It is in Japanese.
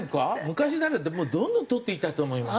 昔なんかどんどん取っていったと思いますよ。